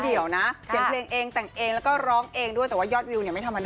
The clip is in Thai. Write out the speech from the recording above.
เพราะว่าใช่ต้องระวังแล้วก็ใส่อังเกตค่ะสร้างข้างในตลอด